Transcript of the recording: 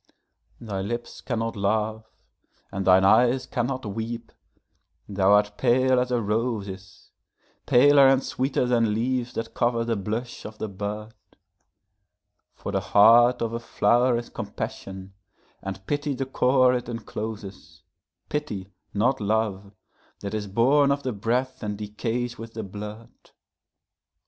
Thy lips cannot laugh and thine eyes cannot weep; thou art pale as a rose is, Paler and sweeter than leaves that cover the blush of the bud; And the heart of the flower is compassion, and pity the core it incloses, Pity, not love, that is born of the breath and decays with the blood.